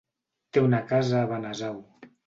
Té una casa a Benasau.